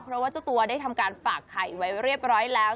เพราะว่าเจ้าตัวได้ทำการฝากไข่ไว้เรียบร้อยแล้ว